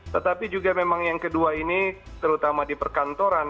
tetapi juga memang yang kedua ini terutama di perkantoran